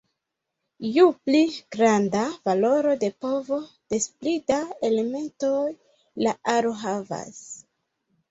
Ju pli granda valoro de povo des pli da elementoj la aro havas.